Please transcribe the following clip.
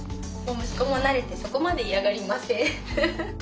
息子も慣れてそこまで嫌がりません。